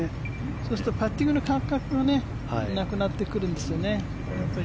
そうするとパッティングの感覚がなくなってくるんですよね。